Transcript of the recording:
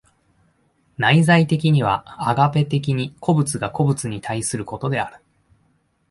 内在的にはアガペ的に個物が個物に対することである。